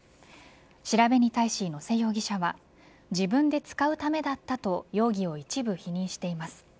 調べに対し野瀬容疑者は自分で使うためだったと容疑を一部否認しています。